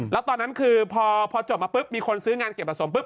แล้วตอนนั้นคือพอจบมาปุ๊บมีคนซื้องานเก็บผสมปุ๊